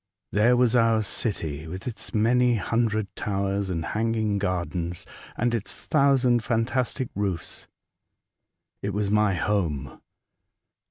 There was our city, with its many hundred towers and hanging gardens, and its thousand fantastic roofs. It was my home